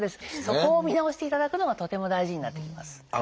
そこを見直していただくのがとても大事になってきます。